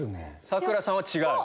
佐倉さんは違う？